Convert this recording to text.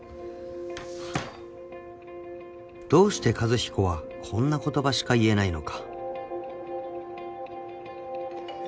［どうして和彦はこんな言葉しか言えないのか］